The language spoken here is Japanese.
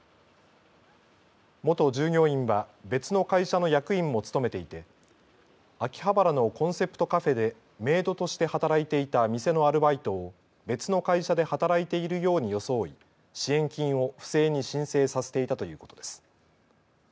元従業員は別の会社の役員も務めていて秋葉原のコンセプトカフェでメイドとして働いていた店のアルバイトを別の会社で働いているように装い支援金を不正に申請させていたということです。